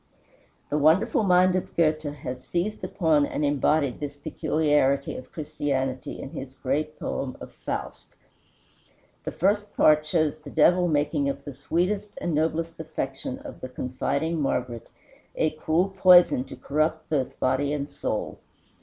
The wonderful mind of Goethe has seized upon and embodied this peculiarity of Christianity in his great poem of "Faust." The first part shows the Devil making of the sweetest and noblest affection of the confiding Margaret a cruel poison to corrupt both body and soul.